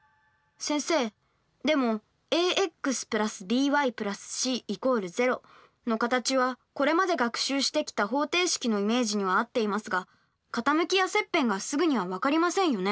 先生でもａｘ＋ｂｙ＋ｃ＝０の形はこれまで学習してきた方程式のイメージには合っていますが傾きや切片がすぐには分かりませんよね。